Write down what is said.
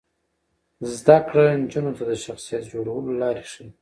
زده کړه نجونو ته د شخصیت جوړولو لارې ښيي.